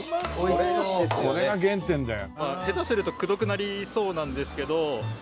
これが原点だよ。